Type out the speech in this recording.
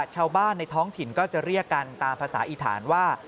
ชาวบ้านในท้องถิ่นก็จะเรียกกันตามภาษาอีฐานว่า